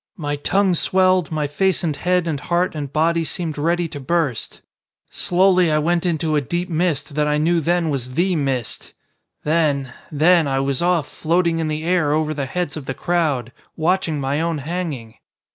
My tongue swelled, my face and head and heart and body seemed ready to burst. Slowly I went into a deep mist that I knew then was the mist, then then I was off floating in the air over the heads of the crowd, watching my own hanging!